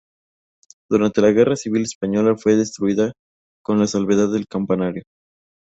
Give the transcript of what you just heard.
Durante la Guerra Civil Española fue destruida con la salvedad del campanario.